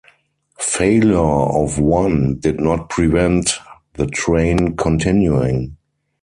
Failure of one did not prevent the train continuing.